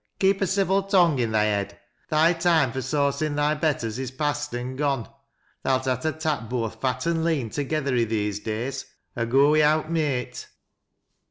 " Keep a civil tongue i' thy head. Thy toime fur saucin' thy betters is past an' gone. Tha'lt ha' to tak' both fat au' lean together i' these days, or go wi'out mate."